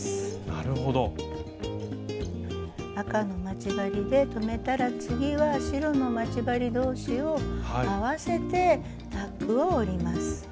赤の待ち針で留めたら次は白の待ち針同士を合わせてタックを折ります。